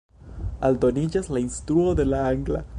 Aldoniĝas la instruo de la angla.